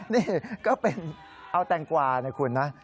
นี่ก็เป็นเอาแตงกวานะคุณนะ